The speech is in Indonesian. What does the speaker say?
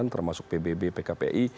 termasuk pbb pkpi